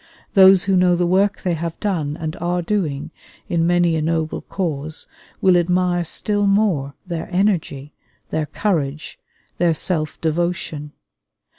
Those who know the work they have done and are doing in many a noble cause will admire still more their energy, their courage, their self devotion.